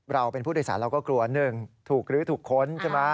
เราเป็นผู้โดยสารเราก็กลัว๑ถูกลื้อถูกค้นใช่ไหม